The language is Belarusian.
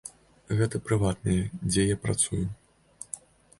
Гэта прыватнае, дзе я працую!